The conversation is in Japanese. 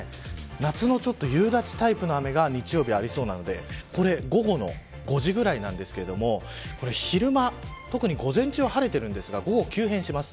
夏の夕立タイプの雨が日曜日にありそうなんで午後の５時ぐらいなんですが昼間、特に午前中は晴れているんですが午後に急変します。